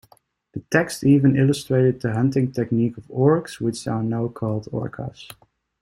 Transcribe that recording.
The text even illustrated the hunting technique of Orcs, which are now called Orcas.